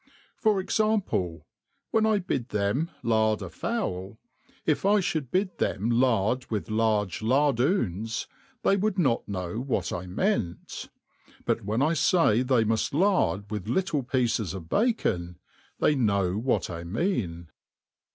For example^ when I bid them lard a fowU if I fhould bid them lard with large lardoons^ they would, not know what I meant ; but when I fay they muft lard with little • pieces of bacon^ they know what I mean.